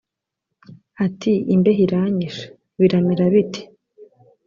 ati imbeho iranyishe: biramera bite ?